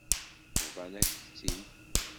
Bḍan-ak-tt-id.